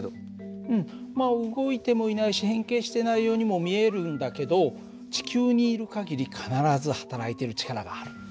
動いてもいないし変形してないようにも見えるんだけど地球にいる限り必ずはたらいている力がある。